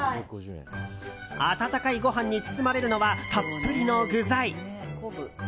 温かいご飯に包まれるのはたっぷりの具材。